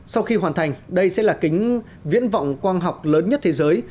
sau khi hoàn thành đây sẽ là kính viễn vọng quang học lớn nhất thế giới